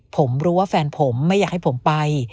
ผมรู้ว่าแฟนผมไม่อยากให้ผมไป